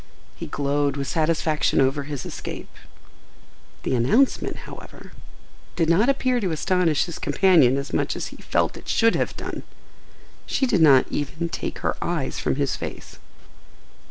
He glowed with satisfaction over his escape. The announcement, however, did not appear to astonish his companion as much as he felt it should have done. She did not even take her eyes from his face.